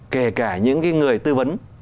kể cả những cái người tư vấn